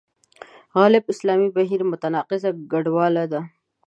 غالب اسلامي بهیر متناقضه ګډوله ده.